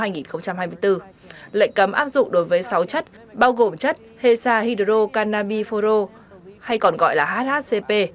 lệnh cấm áp dụng đối với sáu chất bao gồm chất hesa hydrocanabifol hay còn gọi là hhcp